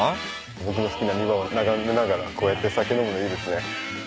僕の好きな庭を眺めながらこうやって酒飲むのいいですね。